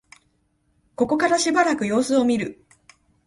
ここからしばらく様子を見る